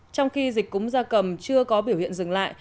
trong khi dịch cúng gia cầm chưa có biểu hiện dừng lại